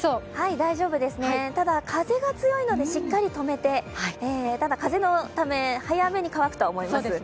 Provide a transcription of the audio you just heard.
大丈夫ですね、ただ風が強いのでしっかり止めて、ただ、風のため、早めに乾くとは思います。